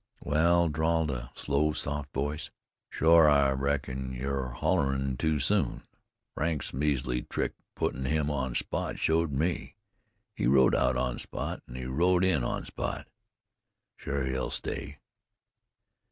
"Wal," drawled a slow, soft voice, "shore I reckon you're hollerin' too soon. Frank's measly trick puttin' him on Spot showed me. He rode out on Spot, an' he rode in on Spot. Shore he'll stay."